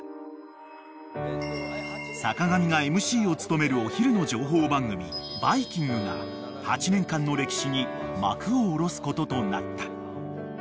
［坂上がＭＣを務めるお昼の情報番組『バイキング』が８年間の歴史に幕を下ろすこととなった］